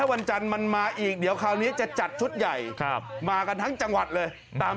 มันกัดตอนเด็กมันกัดนิ้วขาดได้เลยนะ